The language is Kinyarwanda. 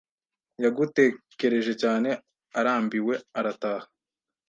yagutekereje cyane arambiwe arataha.